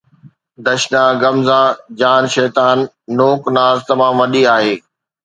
”دشنا غمزه جان شيطان“ نوڪ ناز تمام وڏي آهي